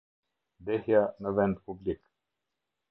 Dehja në vend publik.